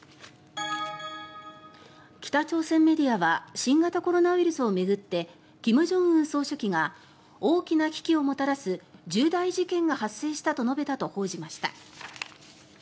北朝鮮メディアは新型コロナウイルスを巡って金正恩総書記が大きな危機をもたらす重大事件が発生したと述べたと報じました。